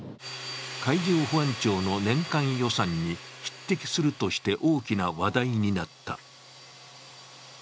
海上保安庁の年間予算に匹敵するとして大きな話題になった。